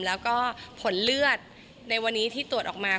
แล้วก็ผลเลือดในวันนี้ที่ตรวจออกมา